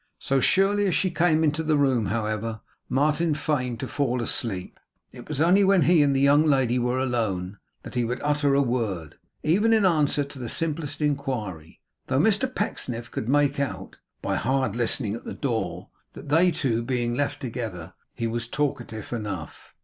So surely as she came into the room, however, Martin feigned to fall asleep. It was only when he and the young lady were alone, that he would utter a word, even in answer to the simplest inquiry; though Mr Pecksniff could make out, by hard listening at the door, that they two being left together, he was talkative enough.